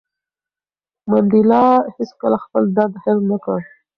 منډېلا هېڅکله خپل درد هېر نه کړ.